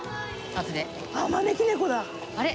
あれ？